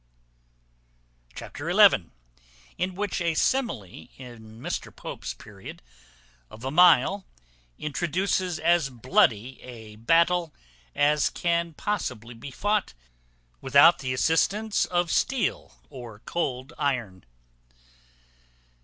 Chapter xi. In which a simile in Mr Pope's period of a mile introduces as bloody a battle as can possibly be fought without the assistance of steel or cold iron.